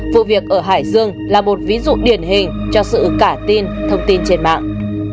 vụ việc ở hải dương là một ví dụ điển hình cho sự cả tin thông tin trên mạng